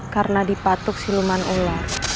karena dipatuk siluman ular